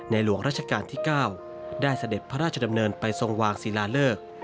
หลวงราชการที่๙ได้เสด็จพระราชดำเนินไปทรงวางศิลาเลิก